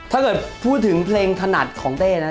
ถ้าเกิดพูดถึงเพลงถนัดของเต้นะ